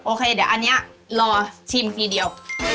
โอเคเดี๋ยวอันนี้รอชิมทีเดียว